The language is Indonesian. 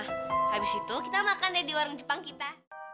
habis itu kita makan deh di warung jepang kita